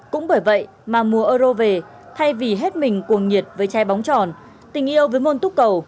cũng bởi vậy mà mùa euro về thay vì hết mình cuồng nhiệt với chai bóng tròn tình yêu với môn túc cầu